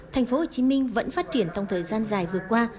tp hcm vẫn phát triển trong thời gian dài vượt qua